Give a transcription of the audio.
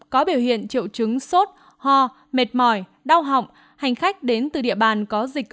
có biểu hiện triệu chứng sốt ho mệt mỏi đau họng hành khách đến từ địa bàn có dịch